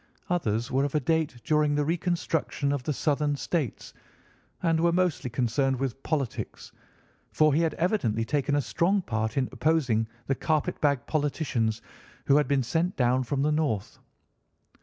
Others were of a date during the reconstruction of the Southern states, and were mostly concerned with politics, for he had evidently taken a strong part in opposing the carpet bag politicians who had been sent down from the North.